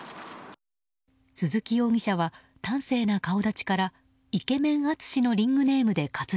鈴木容疑者は端正な顔立ちからイケメン淳のリングネームで活動。